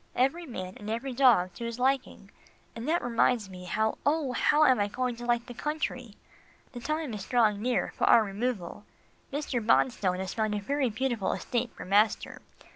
Every man and every dog to his liking, and that reminds me, how, oh! how am I going to like the country? The time is drawing near for our removal. Mr. Bonstone has found a beautiful estate for master.